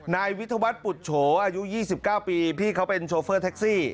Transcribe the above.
นายวิทยาวัฒน์ปุตโฉอายุ๒๙ปีพี่เขาเป็นโชเฟอร์แท็กซี่